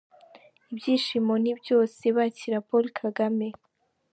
Ibyishimo ni byose bakira Paul Kagame.